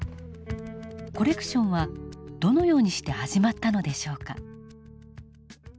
コレクションはどのようにして始まったのでしょうか。